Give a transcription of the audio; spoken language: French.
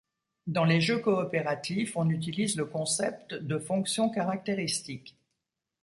Dans les jeux coopératifs on utilise le concept de fonction caractéristique.